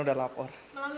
melalui apa ke kantor